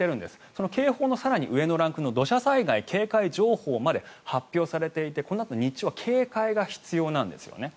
その警報の更に上のランクの土砂災害警戒情報まで発表されていて、このあと日中は警戒が必要なんですよね。